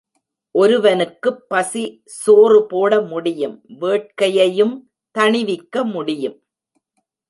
ஒருவனுக்குப் பசி சோறு போடமுடியும் வேட்கையையும் தணிவிக்க முடியும்.